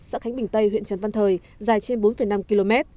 xã khánh bình tây huyện trần văn thời dài trên bốn năm km